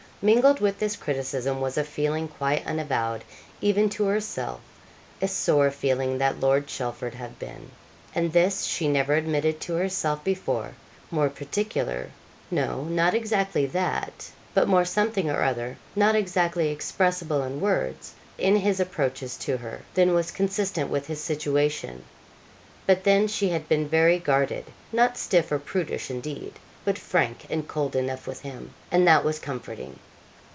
Mingled with this criticism, was a feeling quite unavowed even to herself a sore feeling that Lord Chelford had been and this she never admitted to herself before more particular no, not exactly that but more something or other not exactly expressible in words, in his approaches to her, than was consistent with his situation. But then she had been very guarded; not stiff or prudish, indeed, but frank and cold enough with him, and that was comforting.